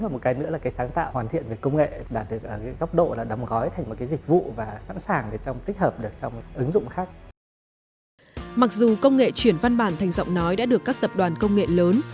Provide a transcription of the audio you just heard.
mặc dù công nghệ chuyển văn bản thành giọng nói đã được các tập đoàn công nghệ lớn